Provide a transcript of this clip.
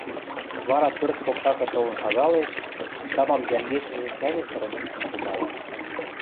Вара пӧрт покшакы толын шагалеш, тамам йӓнгешӹжӹ кӓньӹсӹрӹн чучын тумая.